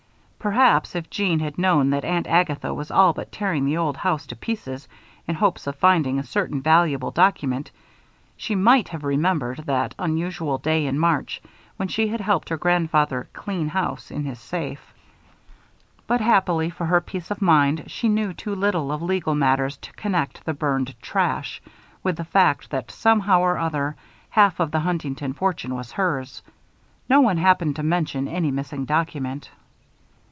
Perhaps, if Jeanne had known that Aunt Agatha was all but tearing the old house to pieces in hopes of finding a certain very valuable document, she might have remembered that unusual day in March, when she had helped her grandfather "clean house" in his safe. But, happily for her peace of mind, she knew too little of legal matters to connect the burned "trash" with the fact that, somehow or other, half of the Huntington fortune was hers. No one happened to mention any missing document.